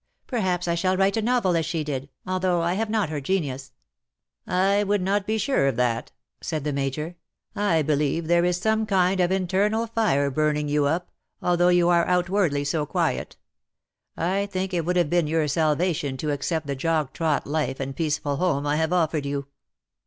Perhaps I shall write a novel, as she did, although I have not her genius .^^" I would not be sure of that/^ said the Major. ^•'I believe there is some kind of internal fire burning you up, although you are outwardly so quiet. I think it would have been your salvation to accept the jog trot life and peaceful home I have offered you.'''